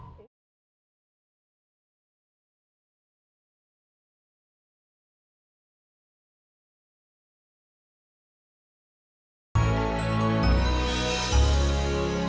lo mau kemana